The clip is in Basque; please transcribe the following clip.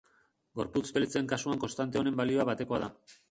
Gorputz beltzen kasuan konstante honen balioa batekoa da.